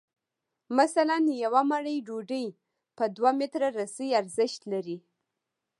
مثلاً یوه مړۍ ډوډۍ په دوه متره رسۍ ارزښت لري